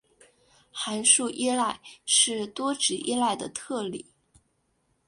函数依赖是多值依赖的特例。